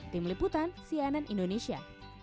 tim liputan cnn indonesia